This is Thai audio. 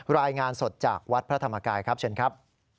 รายงานสดจากวัดพระธรรมกายครับเชิญครับ